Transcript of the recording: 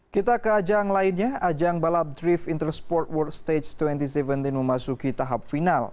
kita ke ajang lainnya ajang balap drift intersport world stage dua ribu tujuh belas memasuki tahap final